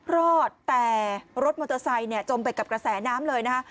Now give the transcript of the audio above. รอดแต่รถมอเตอร์ไซค์เนี่ยจมไปกับกระแสน้ำเลยนะคะ